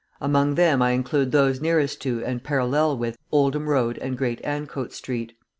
Among them I include those nearest to and parallel with Oldham Road and Great Ancoats Street.